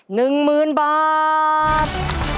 หนึ่งหมื่นบาท